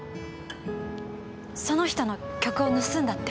その人の曲を盗んだって。